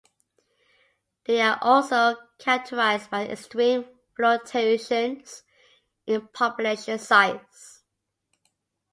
They are also characterized by extreme fluctuations in population size.